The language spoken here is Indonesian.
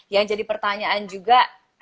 yang jadi pertanyaan juga